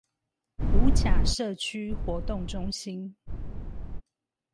五甲社區活動中心